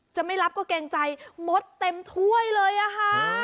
จะไม่รับก็เกรงใจมดเต็มถ้วยเลยอะค่ะ